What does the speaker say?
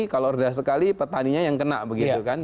kalau rendah sekali petaninya yang kena begitu kan